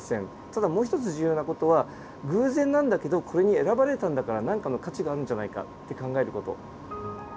ただもう一つ重要な事は偶然なんだけどこれに選ばれたんだから何かの価値があるんじゃないかって考える事。